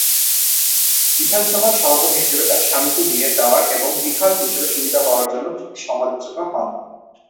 বিধানসভার সভাপতি হিসাবে তাঁর স্বামীকে নিয়ে যাওয়ার এবং বিধায়ক হিসাবে সুবিধা পাওয়ার জন্য তিনি সমালোচিত হন।